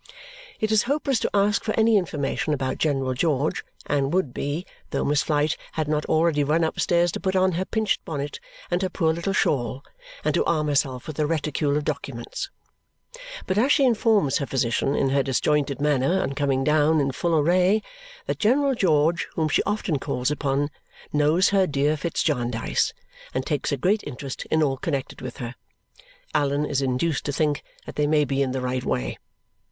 It is hopeless to ask for any information about General George, and would be, though Miss Flite had not already run upstairs to put on her pinched bonnet and her poor little shawl and to arm herself with her reticule of documents. But as she informs her physician in her disjointed manner on coming down in full array that General George, whom she often calls upon, knows her dear Fitz Jarndyce and takes a great interest in all connected with her, Allan is induced to think that they may be in the right way.